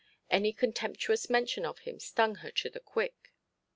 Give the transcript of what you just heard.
Any contemptuous mention of him stung her to the quick.